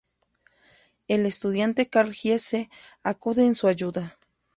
El estudiante Karl Giese acude en su ayuda.